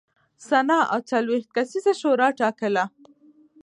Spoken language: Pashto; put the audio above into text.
سنا او څلوېښت کسیزه شورا ټاکله.